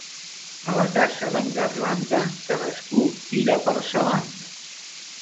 A la casa d'en Garlanda, cadascú tira per sa banda.